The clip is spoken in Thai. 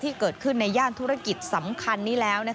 ที่เกิดขึ้นในย่านธุรกิจสำคัญนี้แล้ว